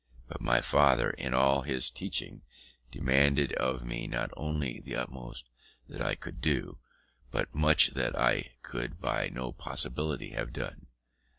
But my father, in all his teaching, demanded of me not only the utmost that I could do, but much that I could by no possibility have done.